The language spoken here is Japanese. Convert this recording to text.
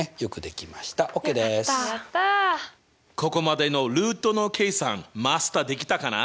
ここまでのルートの計算マスターできたかな？